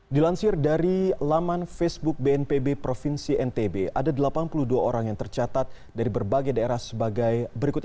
dilansir dari laman facebook bnpb provinsi ntb ada delapan puluh dua orang yang tercatat dari berbagai daerah sebagai berikut